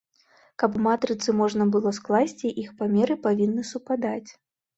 Каб матрыцы можна было скласці, іх памеры павінны супадаць.